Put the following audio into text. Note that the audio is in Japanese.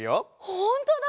ほんとだ！